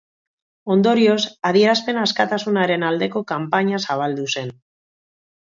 Ondorioz, adierazpen askatasunaren aldeko kanpaina zabaldu zen.